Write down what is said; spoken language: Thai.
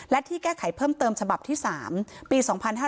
และที่แก้ไขเพิ่มเติมฉบับที่๓ปี๒๕๕๙